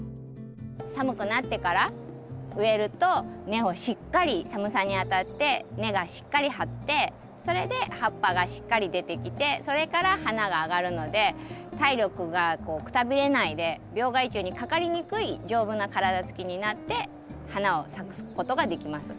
寒くなってから植えると根をしっかり寒さにあたって根がしっかり張ってそれで葉っぱがしっかり出てきてそれから花があがるので体力がくたびれないで病害虫にかかりにくい丈夫な体つきになって花を咲かすことができます。